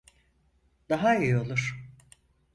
Daha iyi olur.